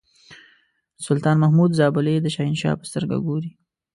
سلطان محمود زابلي د شهنشاه په سترګه ګوري.